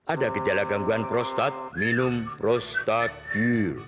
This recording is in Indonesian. ada gejala gangguan prostat minum prostagil